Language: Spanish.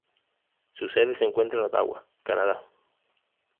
Su sede se encuentra en Ottawa, Canadá.